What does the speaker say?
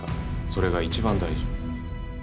それが一番大事。